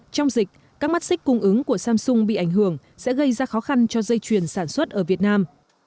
trong dịch các mắt xích cung ứng của samsung bị ảnh hưởng sẽ gây ra khó khăn cho dây chuyền sản xuất ở việt nam